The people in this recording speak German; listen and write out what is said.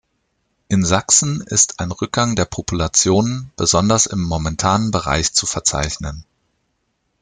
In Sachsen ist ein Rückgang der Populationen besonders im montanen Bereich zu verzeichnen.